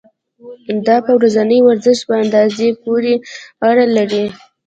دا په ورځني ورزش په اندازې پورې اړه لري.